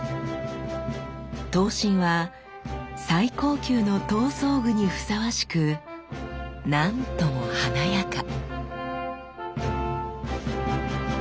刀身は最高級の刀装具にふさわしく何とも華やか。